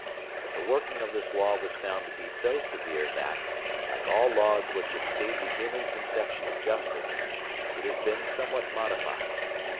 But the working of this law was found to be so severe that, like all laws which exceed the human conception of justice, it has been somewhat modified.